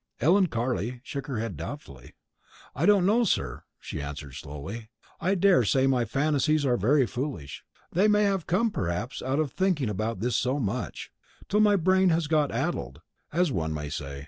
Ellen Carley shook her head doubtfully. "I don't know, sir," she answered slowly; "I daresay my fancies are very foolish; they may have come, perhaps, out of thinking about this so much, till my brain has got addled, as one may say.